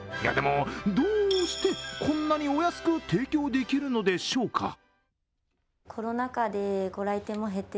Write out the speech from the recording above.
どうして、こんなにお安く提供できるのでしょうか。